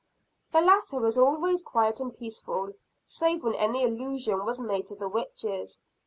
The latter was always quiet and peaceful, save when any allusion was made to the witches.